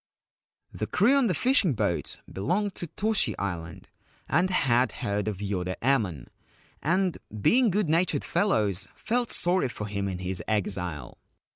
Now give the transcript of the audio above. The crew on the fishing boat belonged to Toshi Island, and had heard of Yoda Emon, and, being good natured fellows, felt sorry for him in his exile.